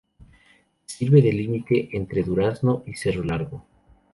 Sirve de límite entre Durazno y Cerro Largo.